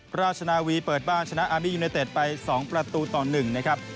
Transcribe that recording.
ราชนาวีเปิดบ้านชนะอาร์บียูเนเต็ดไป๒ประตูต่อ๑นะครับ